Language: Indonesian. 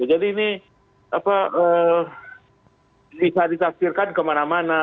jadi ini bisa ditafsirkan kemana mana